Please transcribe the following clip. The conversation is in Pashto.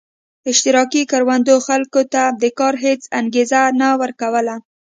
اشتراکي کروندو خلکو ته د کار هېڅ انګېزه نه ورکوله.